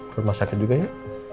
ke rumah sakit juga ya